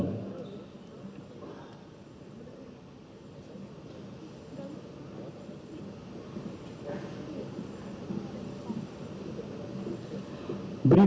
di mohon kepada para saksi